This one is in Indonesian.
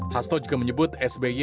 hasto juga menyebut sby